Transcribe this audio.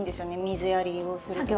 水やりをする時。